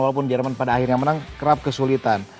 walaupun jerman pada akhirnya menang kerap kesulitan